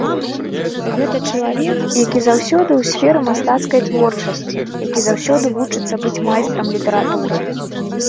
Гэта чалавек, які заўсёды ў сферы мастацкай творчасці, які заўсёды вучыцца быць майстрам літаратуры.